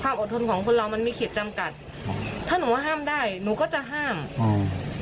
อดทนของคนเรามันมีขีดจำกัดถ้าหนูว่าห้ามได้หนูก็จะห้ามอืม